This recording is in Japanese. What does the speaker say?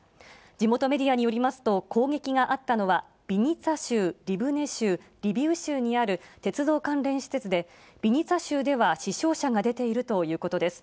地元メディアによりますと、攻撃があったのは、ビニツァ州、リブネ州、リビウ州にある鉄道関連施設で、ビニツァ州では死傷者が出ているということです。